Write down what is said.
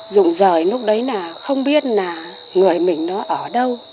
dụng dời lúc đấy là không biết là người mình nó ở đâu